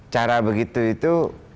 cara begitu itu